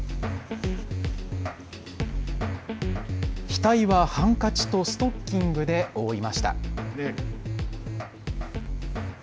額はハンカチとストッキングで覆いました。